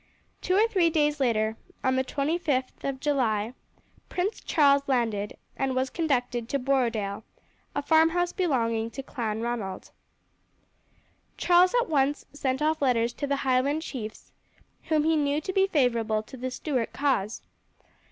Two or three days later, on the 25th of July, Prince Charles landed and was conducted to Borodale, a farmhouse belonging to Clanranald. Charles at once sent off letters to the Highland chiefs whom he knew to be favourable to the Stuart cause.